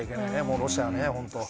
ロシアはね、本当に。